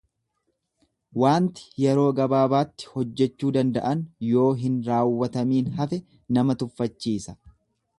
Waanti yeroo gabaabaatti hojjechuu danda'an yoo hin raawwatamin hafe nama tuffachiisa.